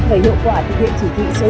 về hiệu quả thực hiện chỉ thị số một mươi